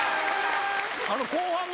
後半の。